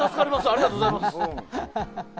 ありがとうございます。